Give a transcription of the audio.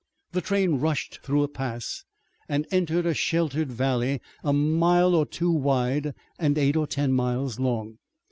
The train rushed through a pass and entered a sheltered valley a mile or two wide and eight or ten miles long.